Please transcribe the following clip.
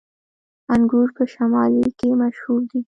انګور په شمالی کې مشهور دي